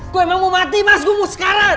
gua emang mau mati mas gua mau sekarang